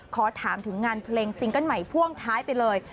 ขอถามถึงงานเพลงซิงเกิ้ลใหม่พ่วงท้ายไปเลย